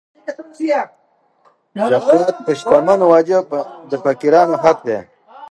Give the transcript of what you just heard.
زکات په شتمنو واجب او په فقیرانو حق دی.